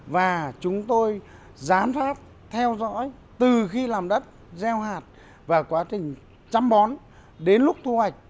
và chúng tôi giám sát theo dõi từ khi làm đất gieo hạt và quá trình chăm bón đến lúc thu hoạch